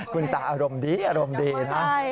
คุณตาอารมณ์ดีอารมณ์ดีนะ